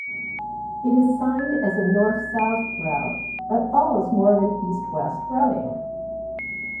It is signed as a north-south route, but follows more of an east-west routing.